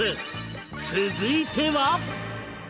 続いては